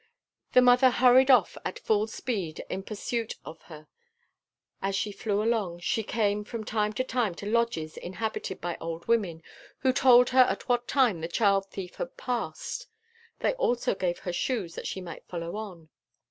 The mother hurried off at full speed in pursuit of her. As she flew along, she came from time to time to lodges inhabited by old women, who told her at what time the child thief had passed; they also gave her shoes that she might follow on.